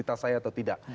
identitas saya atau tidak